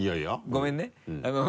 ごめんね。